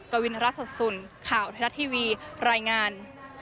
กวินรัฐสดสุนข่าวไทยรัฐทีวีรายงาน